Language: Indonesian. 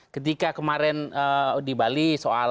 ketika kemarin di bali soal